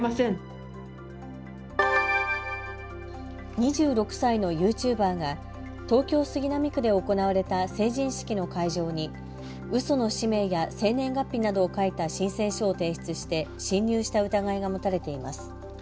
２６歳のユーチューバーが東京杉並区で行われた成人式の会場にうその氏名や生年月日などを書いた申請書を提出して侵入した疑いが持たれています。